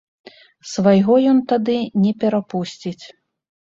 Свайго ён тады не перапусціць.